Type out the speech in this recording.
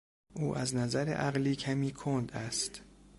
او از نظر عقلی کمی کند است.